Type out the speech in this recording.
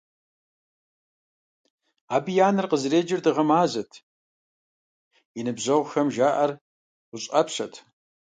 Абы и анэр къызэреджэр Дыгъэ-Мазэт, и ныбжьэгъухэм жаӀэр ГъущӀ Ӏэпщэт!